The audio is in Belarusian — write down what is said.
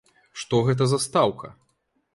Што гэта за стаўка?